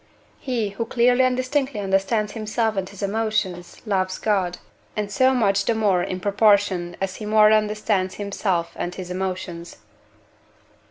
He who clearly and distinctly understands himself and his emotions loves God, and so much the more in proportion as he more understands himself and his emotions.